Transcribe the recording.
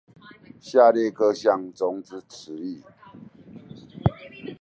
下列各項中之詞義